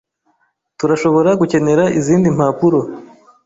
Turashobora gukenera izindi mpapuro.